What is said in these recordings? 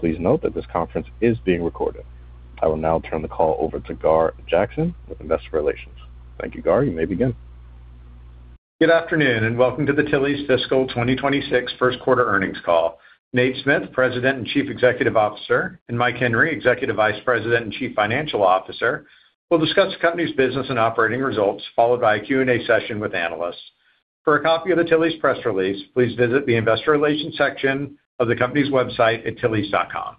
Please note that this conference is being recorded. I will now turn the call over to Gar Jackson with investor relations. Thank you, Gar, you may begin. Good afternoon, welcome to the Tilly's fiscal 2026 first quarter earnings call. Nate Smith, President and Chief Executive Officer, and Mike Henry, Executive Vice President and Chief Financial Officer, will discuss the company's business and operating results, followed by a Q&A session with analysts. For a copy of the Tilly's press release, please visit the investor relations section of the company's website at tillys.com.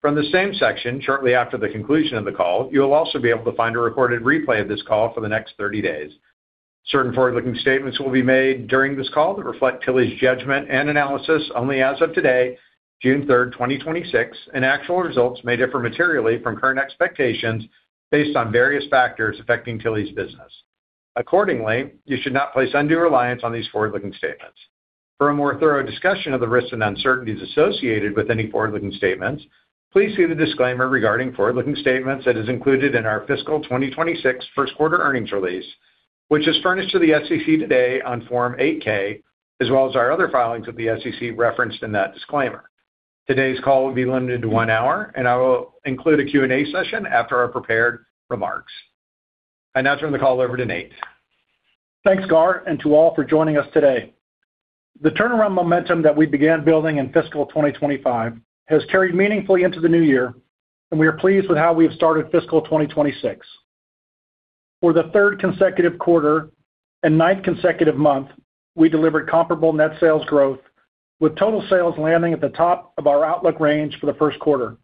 From the same section, shortly after the conclusion of the call, you will also be able to find a recorded replay of this call for the next 30 days. Certain forward-looking statements will be made during this call that reflect Tilly's judgment and analysis only as of today, June 3rd, 2026, and actual results may differ materially from current expectations based on various factors affecting Tilly's business. Accordingly, you should not place undue reliance on these forward-looking statements. For a more thorough discussion of the risks and uncertainties associated with any forward-looking statements, please see the disclaimer regarding forward-looking statements that is included in our fiscal 2026 first quarter earnings release, which is furnished to the SEC today on Form 8-K, as well as our other filings with the SEC referenced in that disclaimer. Today's call will be limited to one hour, and I will include a Q&A session after our prepared remarks. I now turn the call over to Nate. Thanks, Gar, and to all for joining us today. The turnaround momentum that we began building in fiscal 2025 has carried meaningfully into the new year, and we are pleased with how we have started fiscal 2026. For the third consecutive quarter and ninth consecutive month, we delivered comparable net sales growth, with total sales landing at the top of our outlook range for the first quarter.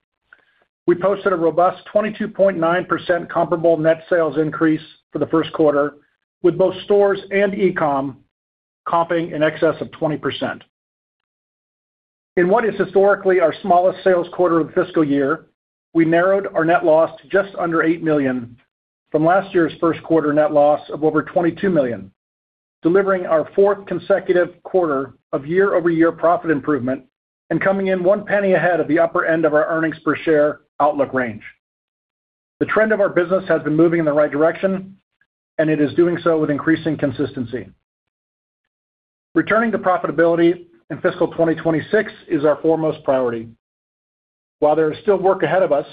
We posted a robust 22.9% comparable net sales increase for the first quarter, with both stores and e-com comping in excess of 20%. In what is historically our smallest sales quarter of the fiscal year, we narrowed our net loss to just under $8 million from last year's first quarter net loss of over $22 million, delivering our fourth consecutive quarter of year-over-year profit improvement and coming in one penny ahead of the upper end of our earnings per share outlook range. The trend of our business has been moving in the right direction, and it is doing so with increasing consistency. Returning to profitability in fiscal 2026 is our foremost priority. While there is still work ahead of us,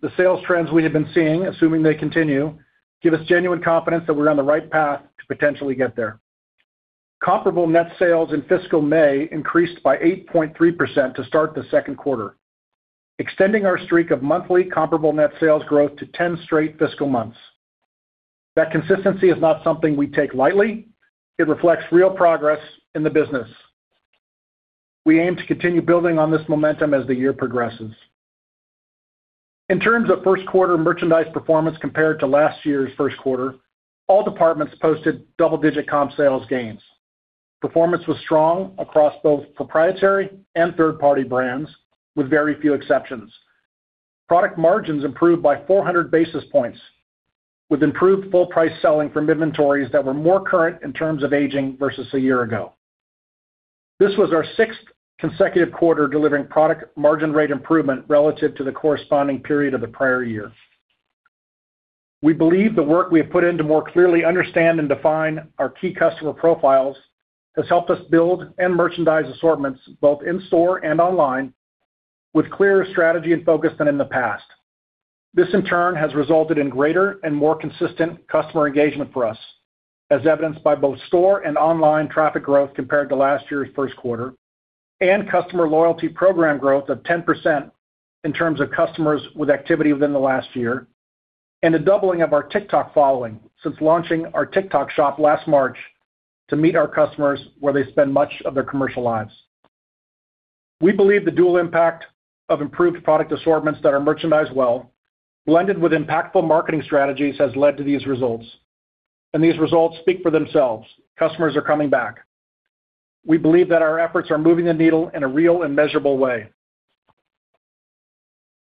the sales trends we have been seeing, assuming they continue, give us genuine confidence that we're on the right path to potentially get there. Comparable net sales in fiscal May increased by 8.3% to start the second quarter, extending our streak of monthly comparable net sales growth to 10 straight fiscal months. That consistency is not something we take lightly. It reflects real progress in the business. We aim to continue building on this momentum as the year progresses. In terms of first quarter merchandise performance compared to last year's first quarter, all departments posted double-digit comp sales gains. Performance was strong across both proprietary and third-party brands, with very few exceptions. Product margins improved by 400 basis points, with improved full price selling from inventories that were more current in terms of aging versus a year ago. This was our sixth consecutive quarter delivering product margin rate improvement relative to the corresponding period of the prior year. We believe the work we have put in to more clearly understand and define our key customer profiles has helped us build and merchandise assortments both in-store and online with clearer strategy and focus than in the past. This, in turn, has resulted in greater and more consistent customer engagement for us, as evidenced by both store and online traffic growth compared to last year's first quarter, and customer loyalty program growth of 10% in terms of customers with activity within the last year, and a doubling of our TikTok following since launching our TikTok Shop last March to meet our customers where they spend much of their commercial lives. We believe the dual impact of improved product assortments that are merchandised well, blended with impactful marketing strategies, has led to these results. These results speak for themselves. Customers are coming back. We believe that our efforts are moving the needle in a real and measurable way.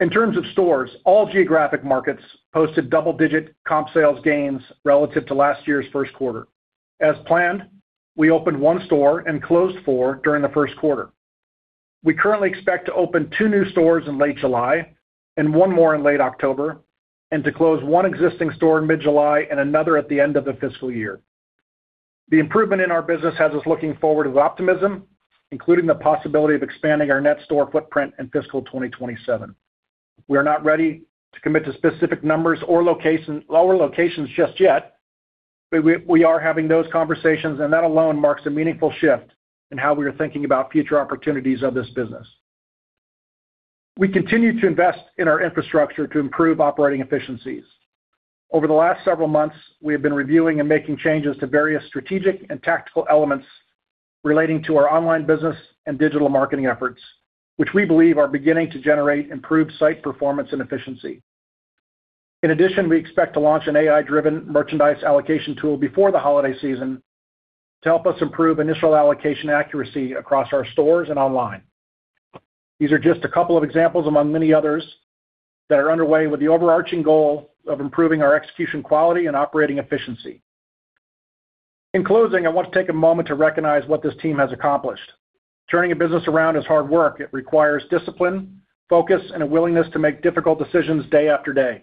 In terms of stores, all geographic markets posted double-digit comp sales gains relative to last year's first quarter. As planned, we opened one store and closed four during the first quarter. We currently expect to open two new stores in late July and one more in late October, and to close one existing store in mid-July and another at the end of the fiscal year. The improvement in our business has us looking forward with optimism, including the possibility of expanding our net store footprint in fiscal 2027. We are not ready to commit to specific numbers or locations just yet, but we are having those conversations, and that alone marks a meaningful shift in how we are thinking about future opportunities of this business. We continue to invest in our infrastructure to improve operating efficiencies. Over the last several months, we have been reviewing and making changes to various strategic and tactical elements relating to our online business and digital marketing efforts, which we believe are beginning to generate improved site performance and efficiency. In addition, we expect to launch an AI-driven merchandise allocation tool before the holiday season to help us improve initial allocation accuracy across our stores and online. These are just a couple of examples among many others that are underway with the overarching goal of improving our execution quality and operating efficiency. In closing, I want to take a moment to recognize what this team has accomplished. Turning a business around is hard work. It requires discipline, focus, and a willingness to make difficult decisions day after day.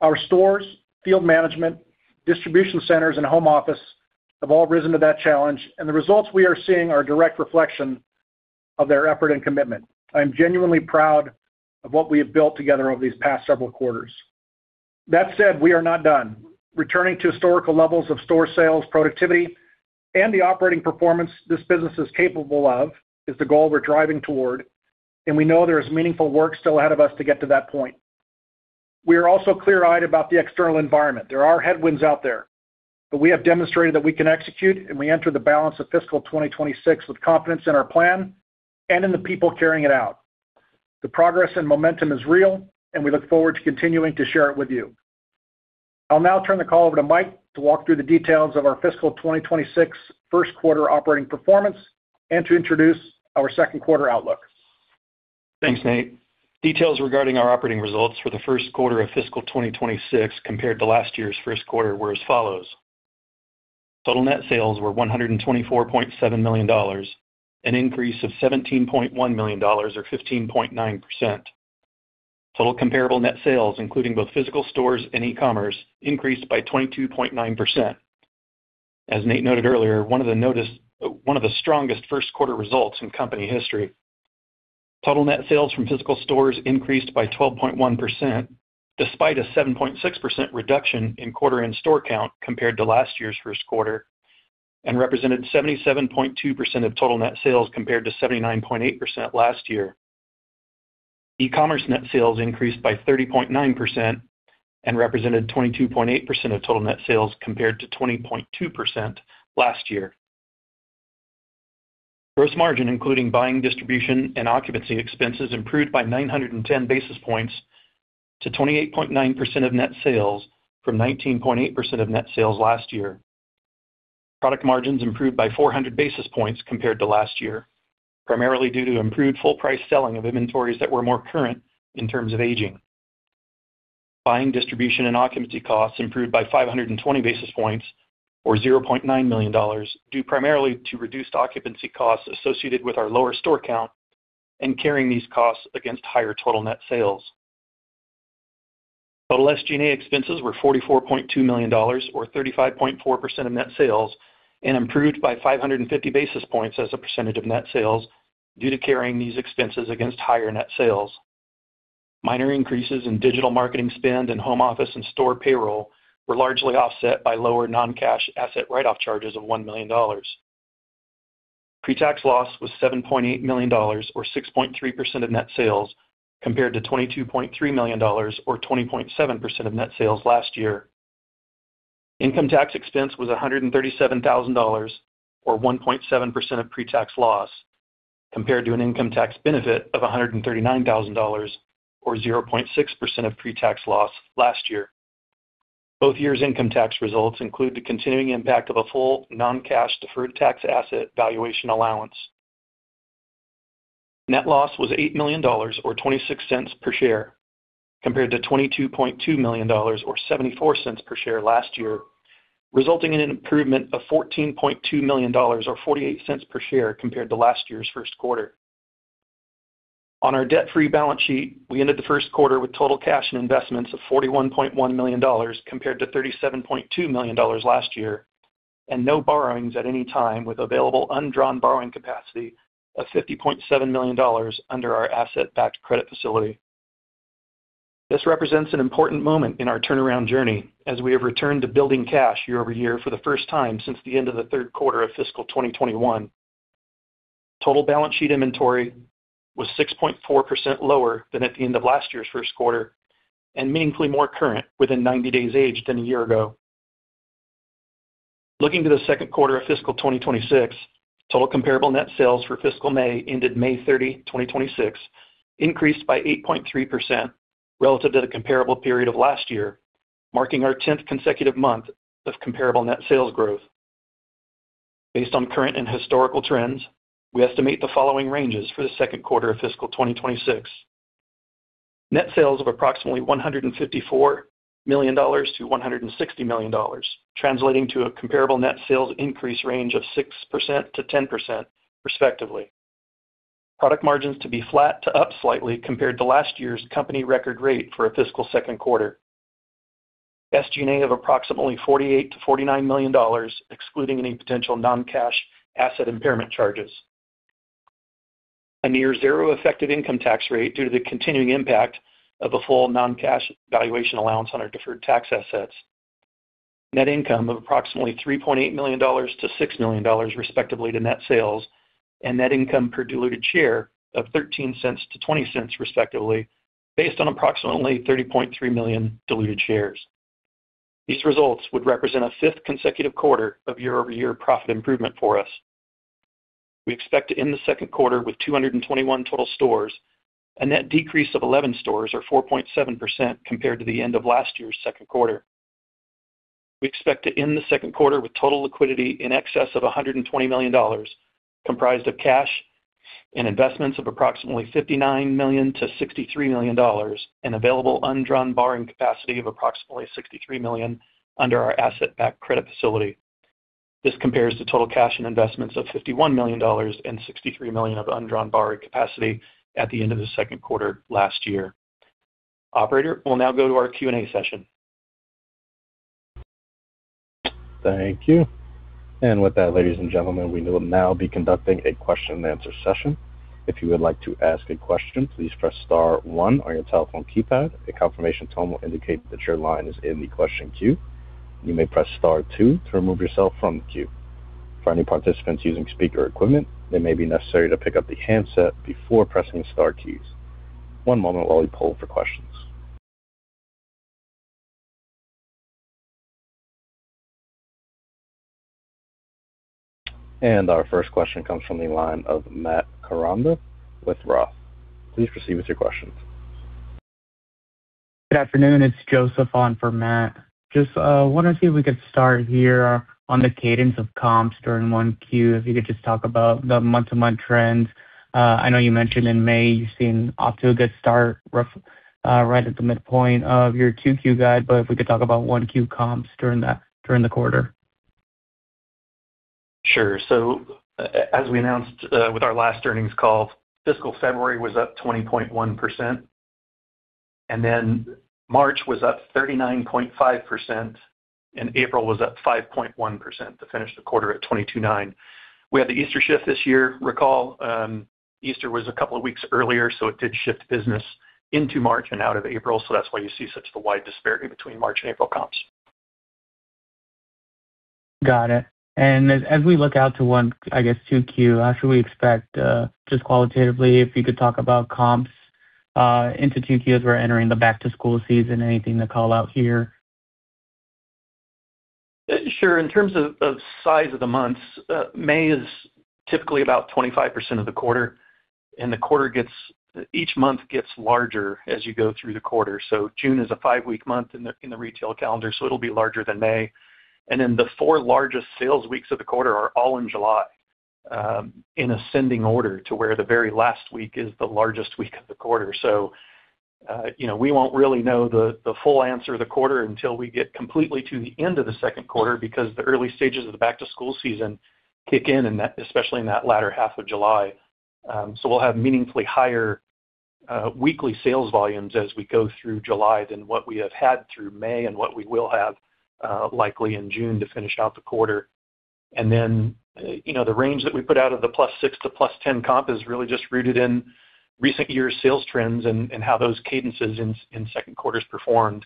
Our stores, field management, distribution centers, and home office have all risen to that challenge, and the results we are seeing are a direct reflection of their effort and commitment. I am genuinely proud of what we have built together over these past several quarters. That said, we are not done. Returning to historical levels of store sales, productivity, and the operating performance this business is capable of is the goal we're driving toward, and we know there is meaningful work still ahead of us to get to that point. We are also clear-eyed about the external environment. There are headwinds out there, but we have demonstrated that we can execute, and we enter the balance of fiscal 2026 with confidence in our plan and in the people carrying it out. The progress and momentum is real, and we look forward to continuing to share it with you. I'll now turn the call over to Mike to walk through the details of our fiscal 2026 first quarter operating performance and to introduce our second quarter outlook. Thanks, Nate. Details regarding our operating results for the first quarter of fiscal 2026 compared to last year's first quarter were as follows. Total net sales were $124.7 million, an increase of $17.1 million or 15.9%. Total comparable net sales, including both physical stores and e-commerce, increased by 22.9%. As Nate noted earlier, one of the strongest first quarter results in company history. Total net sales from physical stores increased by 12.1%, despite a 7.6% reduction in quarter and store count compared to last year's first quarter and represented 77.2% of total net sales compared to 79.8% last year. E-commerce net sales increased by 30.9% and represented 22.8% of total net sales compared to 20.2% last year. Gross margin, including buying, distribution, and occupancy expenses, improved by 910 basis points to 28.9% of net sales from 19.8% of net sales last year. Product margins improved by 400 basis points compared to last year, primarily due to improved full price selling of inventories that were more current in terms of aging. Buying, distribution, and occupancy costs improved by 520 basis points or $0.9 million, due primarily to reduced occupancy costs associated with our lower store count and carrying these costs against higher total net sales. Total SG&A expenses were $44.2 million or 35.4% of net sales and improved by 550 basis points as a percentage of net sales due to carrying these expenses against higher net sales. Minor increases in digital marketing spend and home office and store payroll were largely offset by lower non-cash asset write-off charges of $1 million. Pre-tax loss was $7.8 million or 6.3% of net sales, compared to $22.3 million or 20.7% of net sales last year. Income tax expense was $137,000, or 1.7% of pre-tax loss, compared to an income tax benefit of $139,000, or 0.6% of pre-tax loss last year. Both years' income tax results include the continuing impact of a full non-cash deferred tax asset valuation allowance. Net loss was $8 million or $0.26 per share, compared to $22.2 million or $0.74 per share last year, resulting in an improvement of $14.2 million or $0.48 per share compared to last year's first quarter. On our debt-free balance sheet, we ended the first quarter with total cash and investments of $41.1 million compared to $37.2 million last year, and no borrowings at any time with available undrawn borrowing capacity of $50.7 million under our asset-backed credit facility. This represents an important moment in our turnaround journey as we have returned to building cash year-over-year for the first time since the end of the third quarter of fiscal 2021. Total balance sheet inventory was 6.4% lower than at the end of last year's first quarter and meaningfully more current within 90 days aged than a year ago. Looking to the second quarter of fiscal 2026, total comparable net sales for fiscal May ended May 30, 2026, increased by 8.3% relative to the comparable period of last year, marking our 10th consecutive month of comparable net sales growth. Based on current and historical trends, we estimate the following ranges for the second quarter of fiscal 2026. Net sales of approximately $154 million-$160 million, translating to a comparable net sales increase range of 6%-10% respectively. Product margins to be flat to up slightly compared to last year's company record rate for a fiscal second quarter. SG&A of approximately $48 million-$49 million, excluding any potential non-cash asset impairment charges. A near zero effective income tax rate due to the continuing impact of a full non-cash valuation allowance on our deferred tax assets. Net income of approximately $3.8 million-$6 million respectively to net sales and net income per diluted share of $0.13-$0.20 respectively, based on approximately 30.3 million diluted shares. These results would represent a fifth consecutive quarter of year-over-year profit improvement for us. We expect to end the second quarter with 221 total stores, a net decrease of 11 stores or 4.7% compared to the end of last year's second quarter. We expect to end the second quarter with total liquidity in excess of $120 million, comprised of cash and investments of approximately $59 million-$63 million and available undrawn borrowing capacity of approximately $63 million under our asset-backed credit facility. This compares to total cash and investments of $51 million and $63 million of undrawn borrowing capacity at the end of the second quarter last year. Operator, we'll now go to our Q&A session. Thank you. With that, ladies and gentlemen, we will now be conducting a question-and-answer session. If you would like to ask a question, please press star one on your telephone keypad. A confirmation tone will indicate that your line is in the question queue. You may press star two to remove yourself from the queue. For any participants using speaker equipment, it may be necessary to pick up the handset before pressing the star keys. One moment while we poll for questions. Our first question comes from the line of Matt Koranda with ROTH Capital Partners. Please proceed with your questions. Good afternoon, it's Joseph on for Matt. Just wanted to see if we could start here on the cadence of comps during 1Q, if you could just talk about the month-to-month trends. I know you mentioned in May you've seen off to a good start, right at the midpoint of your 2Q guide, but if we could talk about 1Q comps during the quarter? As we announced with our last earnings call, fiscal February was up 20.1%, and then March was up 39.5%, and April was up 5.1% to finish the quarter at 22.9%. We had the Easter shift this year. Recall, Easter was a couple of weeks earlier, so it did shift business into March and out of April, so that's why you see such the wide disparity between March and April comps. Got it. As we look out to, I guess, 2Q, how should we expect, just qualitatively, if you could talk about comps into 2Q as we're entering the back-to-school season, anything to call out here? Sure. In terms of size of the months, May is typically about 25% of the quarter, and each month gets larger as you go through the quarter. June is a five-week month in the retail calendar, so it'll be larger than May. The four largest sales weeks of the quarter are all in July, in ascending order to where the very last week is the largest week of the quarter. We won't really know the full answer of the quarter until we get completely to the end of the second quarter because the early stages of the back-to-school season kick in, especially in that latter half of July. We'll have meaningfully higher weekly sales volumes as we go through July than what we have had through May and what we will have likely in June to finish out the quarter. The range that we put out of the +6% to +10% comp is really just rooted in recent years' sales trends and how those cadences in second quarters performed,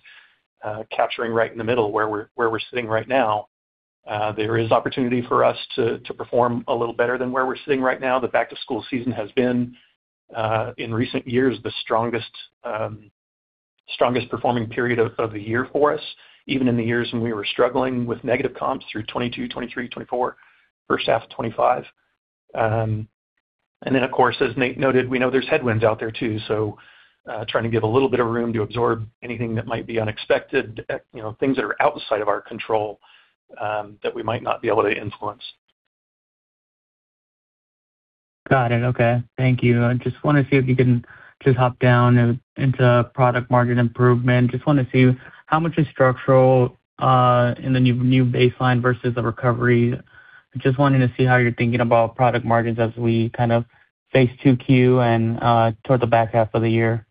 capturing right in the middle where we're sitting right now. There is opportunity for us to perform a little better than where we're sitting right now. The back-to-school season has been, in recent years', the strongest performing period of the year for us, even in the years when we were struggling with negative comps through 2022, 2023, 2024, first half of 2025. Of course, as Nate noted, we know there's headwinds out there too, so trying to give a little bit of room to absorb anything that might be unexpected, things that are outside of our control, that we might not be able to influence. Got it. Okay. Thank you. I just want to see if you can just hop down into product margin improvement. Just want to see how much is structural in the new baseline versus the recovery. Just wanting to see how you're thinking about product margins as we kind of face 2Q and toward the back half of the year.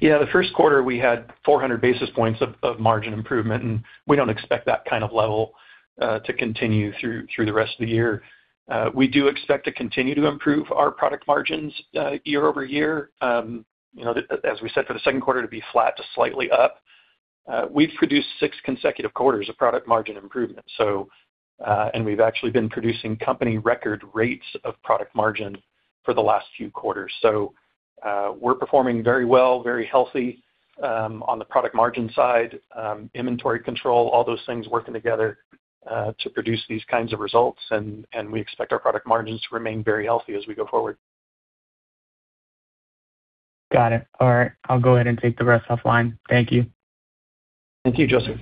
Yeah, the first quarter, we had 400 basis points of margin improvement. We don't expect that kind of level to continue through the rest of the year. We do expect to continue to improve our product margins year-over-year. As we said for the second quarter to be flat to slightly up. We've produced six consecutive quarters of product margin improvement. We've actually been producing company record rates of product margin for the last few quarters. We're performing very well, very healthy on the product margin side, inventory control, all those things working together to produce these kinds of results. We expect our product margins to remain very healthy as we go forward. Got it. All right. I'll go ahead and take the rest offline. Thank you. Thank you, Joseph.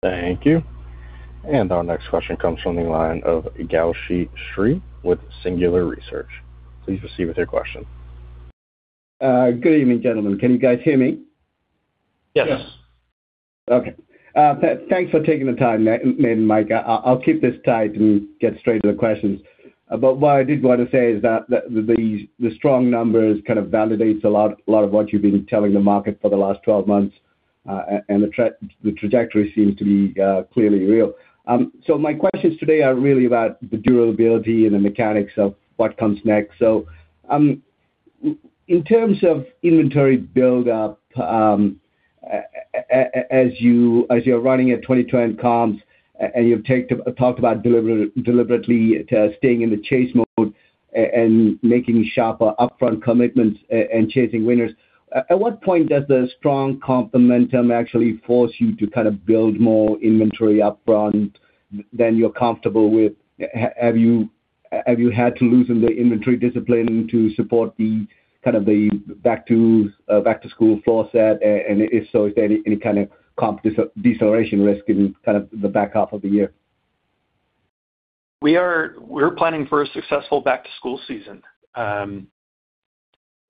Thank you. Our next question comes from the line of Gowshi Sriharan with Singular Research. Please proceed with your question. Good evening, gentlemen. Can you guys hear me? Yes. Yes. Okay. Thanks for taking the time, Nate and Mike. I'll keep this tight and get straight to the questions. What I did want to say is that the strong numbers kind of validates a lot of what you've been telling the market for the last 12 months, and the trajectory seems to be clearly real. My questions today are really about the durability and the mechanics of what comes next. In terms of inventory buildup, as you're running at 20% comps and you've talked about deliberately staying in the chase mode and making sharper upfront commitments and chasing winners, at what point does the strong comp momentum actually force you to kind of build more inventory upfront than you're comfortable with? Have you had to loosen the inventory discipline to support the back-to-school flow set? If so, is there any kind of comp deceleration risk in kind of the back half of the year? We're planning for a successful back-to-school season.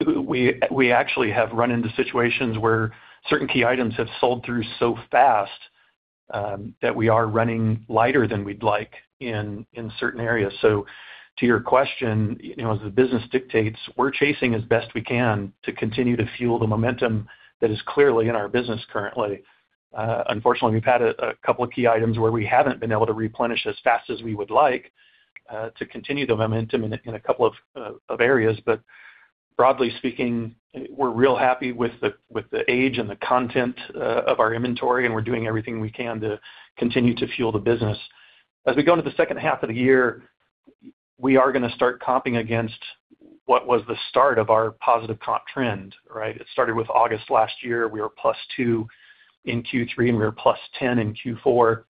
We actually have run into situations where certain key items have sold through so fast that we are running lighter than we'd like in certain areas. To your question, as the business dictates, we're chasing as best we can to continue to fuel the momentum that is clearly in our business currently. Unfortunately, we've had a couple of key items where we haven't been able to replenish as fast as we would like to continue the momentum in a couple of areas. Broadly speaking, we're real happy with the age and the content of our inventory, and we're doing everything we can to continue to fuel the business. As we go into the second half of the year, we are going to start comping against what was the start of our positive comp trend. It started with August last year. We were +2% in Q3, and we were +10% in Q4.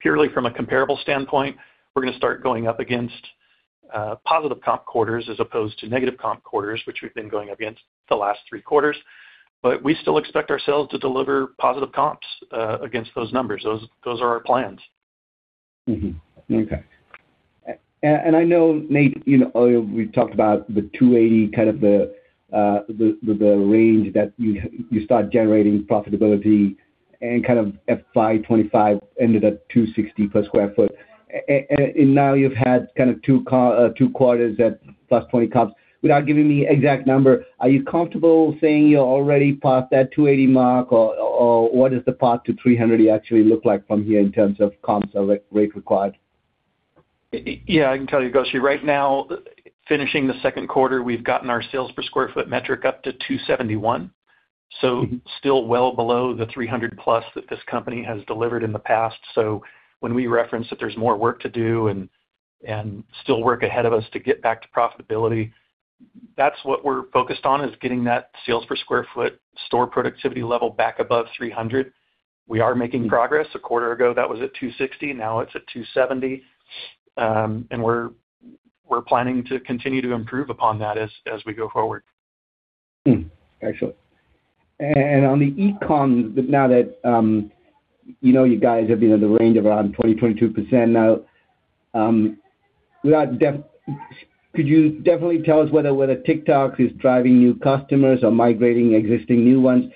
Purely from a comparable standpoint, we're going to start going up against positive comp quarters as opposed to negative comp quarters, which we've been going against the last three quarters. We still expect ourselves to deliver positive comps against those numbers. Those are our plans. Okay. I know, Nate, earlier we talked about the $280, the range that you start generating profitability and at FY 2025 ended at $260 per sq ft. Now you've had two quarters at +20% comps. Without giving me exact number, are you comfortable saying you're already past that $280 mark, or what does the path to $300 actually look like from here in terms of comps rate required? Yeah, I can tell you, Gowshi, right now, finishing the second quarter, we've gotten our sales per square foot metric up to $271. Still well below the $300+ that this company has delivered in the past. When we reference that there's more work to do and still work ahead of us to get back to profitability, that's what we're focused on, is getting that sales per square foot store productivity level back above $300. We are making progress. A quarter ago, that was at $260. Now it's at $270. We're planning to continue to improve upon that as we go forward. Excellent. On the e-com, now that you guys have been in the range of around 20%, 22% now, could you definitely tell us whether TikTok is driving new customers or migrating existing new ones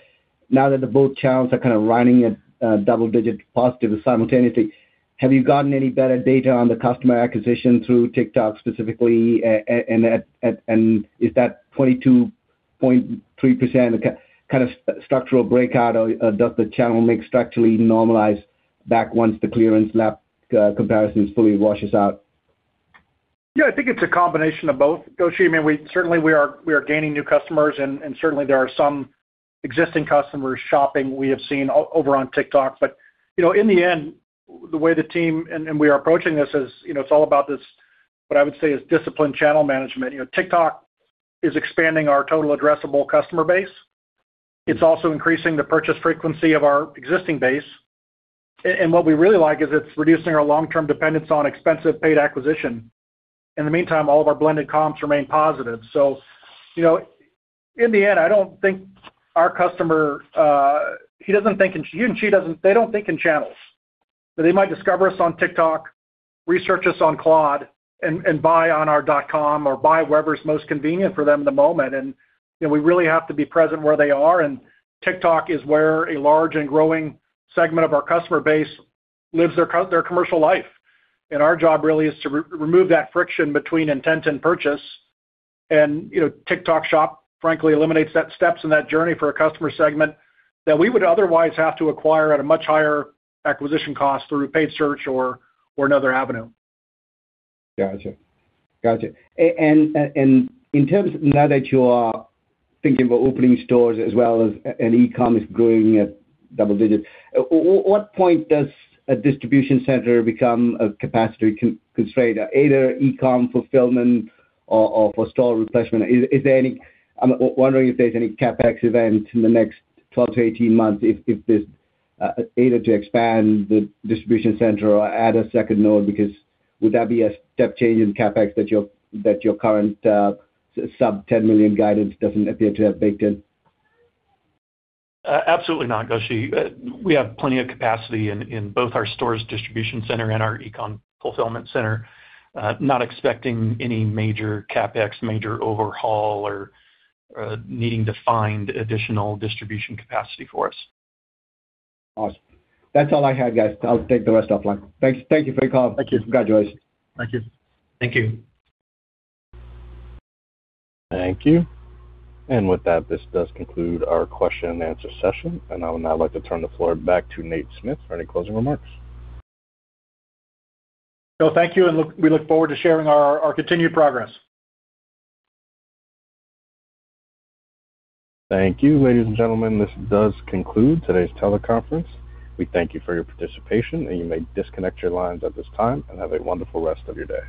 now that the both channels are kind of running at double-digit positive simultaneously? Have you gotten any better data on the customer acquisition through TikTok specifically, and is that 22.3% kind of structural breakout, or does the channel mix structurally normalize back once the clearance lap comparisons fully washes out? Yeah, I think it's a combination of both, Gowshi. Certainly, we are gaining new customers, and certainly, there are some existing customers shopping we have seen over on TikTok. In the end, the way the team, and we are approaching this is, it's all about this, what I would say is disciplined channel management. TikTok is expanding our total addressable customer base. It's also increasing the purchase frequency of our existing base. What we really like is it's reducing our long-term dependence on expensive paid acquisition. In the meantime, all of our blended comps remain positive. In the end, I don't think our customer, he doesn't think, and she doesn't, they don't think in channels. They might discover us on TikTok, research us on Claude, and buy on our .com or buy wherever is most convenient for them in the moment. We really have to be present where they are, and TikTok is where a large and growing segment of our customer base lives their commercial life. Our job really is to remove that friction between intent and purchase. TikTok Shop frankly eliminates that steps in that journey for a customer segment that we would otherwise have to acquire at a much higher acquisition cost through paid search or another avenue. Got you. In terms, now that you are thinking about opening stores as well as an e-com is growing at double digits, what point does a distribution center become a capacity constraint, either e-com fulfillment or for store replacement? I'm wondering if there's any CapEx event in the next 12-18 months, either to expand the distribution center or add a second node, because would that be a step change in CapEx that your current sub $10 million guidance doesn't appear to have baked in? Absolutely not, Gowshi. We have plenty of capacity in both our stores distribution center and our e-com fulfillment center. Not expecting any major CapEx, major overhaul, or needing to find additional distribution capacity for us. Awesome. That's all I had, guys. I'll take the rest offline. Thank you for your call. Thank you. Congratulations. Thank you. Thank you. Thank you. With that, this does conclude our question-and-answer session. I would now like to turn the floor back to Nate Smith for any closing remarks. No, thank you, and we look forward to sharing our continued progress. Thank you. Ladies and gentlemen, this does conclude today's teleconference. We thank you for your participation, and you may disconnect your lines at this time, and have a wonderful rest of your day.